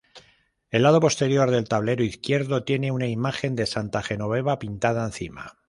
El lado posterior del tablero izquierdo tiene una imagen de santa Genoveva pintada encima.